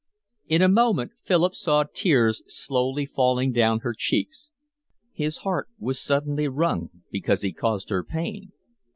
In a moment Philip saw tears slowly falling down her cheeks. His heart was suddenly wrung because he caused her pain.